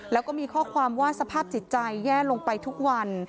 แล้วก็มีข้อความว่าสภาพจิตใจแย่ลงไปทุกวัน